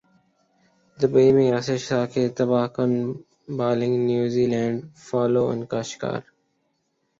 Dubai میں یاسر شاہ کی تباہ کن bowling New Zealand follow on کا شکار